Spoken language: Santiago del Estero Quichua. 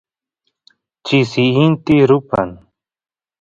chisi inti rupan